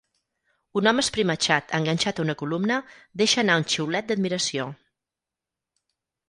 Un home esprimatxat enganxat a una columna deixa anar un xiulet d'admiració.